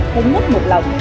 thống nhất một lòng